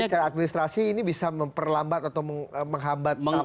jadi secara administrasi ini bisa memperlambat atau menghabat tahapan pemilu